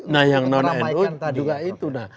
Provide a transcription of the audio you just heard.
nah yang non nu juga itu